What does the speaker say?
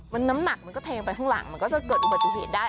น้ำหนักมันก็แทงไปข้างหลังมันก็จะเกิดอุบัติเหตุได้